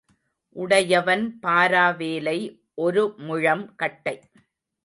உடையவன் பாரா வேலை ஒரு முழம் கட்டை.